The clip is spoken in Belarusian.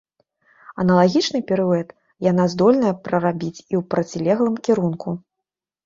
Аналагічны піруэт яна здольная прарабіць і ў процілеглым кірунку.